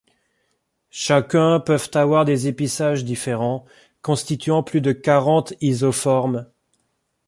Chacun peuvent avoir des épissages différents, constituant plus de quarante isoformes.